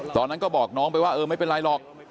ตอนนั้นก็บอกน้องไปว่าเออไม่เป็นไรหรอก